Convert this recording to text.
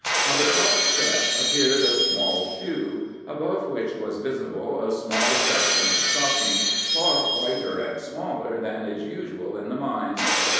On the top step appeared a small shoe, above which was visible a small section of stocking far whiter and smaller than is usual in the mines.